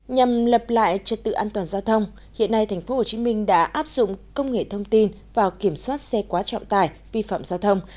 nhằm lập lại trật tự an toàn giao thông hiện nay tp hcm đã áp dụng công nghệ thông tin vào kiểm soát xe quá trọng tài vi phạm giao thông